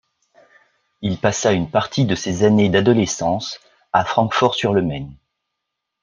Il passa une partie de ses années d'adolescence à Francfort-sur-le-Main.